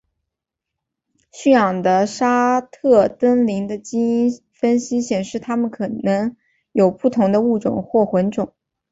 驯养的沙特瞪羚的基因分析显示它们有可能是不同的物种或混种。